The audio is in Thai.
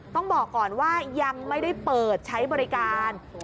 ต้องบอกก่อนว่ายังไม่ได้เปิดใช้บริการ